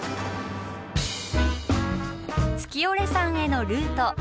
月居山へのルート。